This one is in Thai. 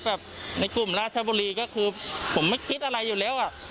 ในกลุ่มราชบุรีก็คือผมไม่คิดอะไรอยู่แล้วอ่ะ